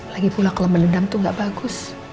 lagipula kalau menendam itu gak bagus